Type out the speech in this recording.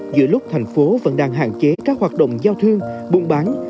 giữa lúc thành phố vẫn đang hạn chế các hoạt động giao thương buôn bán